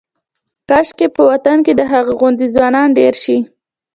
کاشکې په وطن کې د هغه غوندې ځوانان ډېر شي.